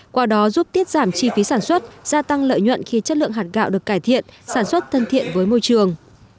qua đó giúp tiết giảm chi phí sản xuất gia tăng lợi nhuận khi chất lượng hạt gạo được cải thiện sản xuất thân thiện với môi trường